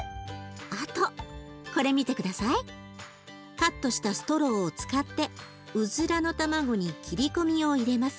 カットしたストローを使ってうずらの卵に切り込みを入れます。